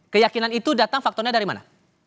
keyakinan itu datang faktornya dari mana